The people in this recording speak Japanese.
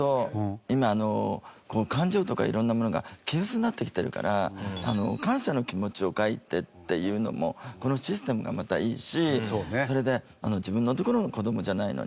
今感情とか色んなものが希薄になってきてるから感謝の気持ちを書いてっていうのもこのシステムがまたいいしそれで自分のところの子どもじゃないのに。